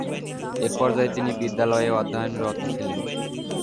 এ পর্যায়ে তিনি বিদ্যালয়ে অধ্যয়নরত ছিলেন।